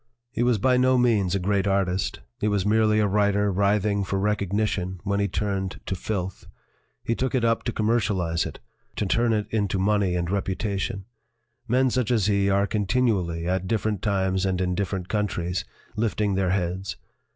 "He was by no means a great artist; he was merely a writer writhing for recognition when he turned to filth. He took it up to commercialize 179 LITERATURE IN THE MAKING it, to turn it into money and reputation. Men such as he are continually, at different times and in different countries, lifting their heads.